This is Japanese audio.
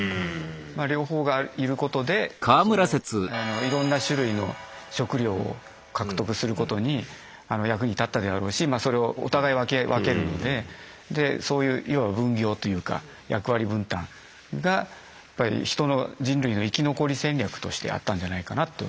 まあ両方がいることでそのあのいろんな種類の食料を獲得することにあの役に立ったであろうしまあそれをあのお互い分けるのででそういう要は分業というか役割分担がやっぱりヒトの人類の生き残り戦略としてあったんじゃないかなと。